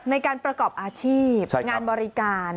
ในการประกอบอาชีพงานบริการ